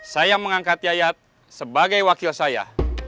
saya mengangkat yayat sebagai wakil saya